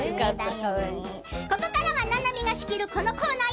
ここからは、ななみが仕切るこのコーナー。